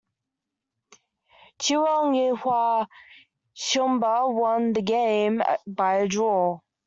Cheonan Ilhwa Chunma won the game by a draw.